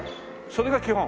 それが基本？